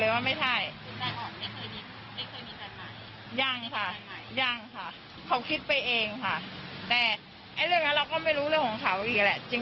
แล้วถ้าเป็นคนติดยาลองคิดดูละกัน